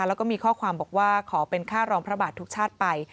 แล้วก็มีข้อความบอกว่าขอเป็นค่ารองพระบาททุกชาติไป